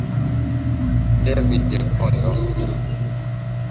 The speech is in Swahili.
Jezi nyekundu.